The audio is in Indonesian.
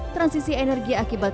transisi energi akibat kondisi